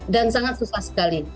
dan sangat susah sekali